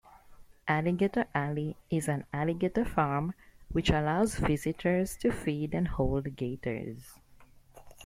Alligator Alley is an alligator farm, which allows visitors to feed and hold gators.